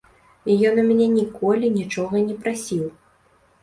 Ён у мяне ніколі нічога не прасіў!